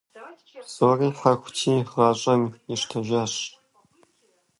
Псори хьэхути, гъащӀэм ищтэжащ.